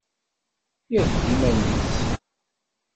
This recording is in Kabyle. yerfed iman-is.